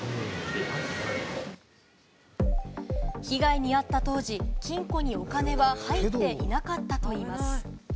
被害に遭った当時、金庫にお金は入っていなかったといいます。